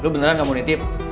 lu beneran gak mau nitip